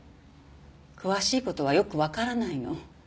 詳しいことはよく分からないの。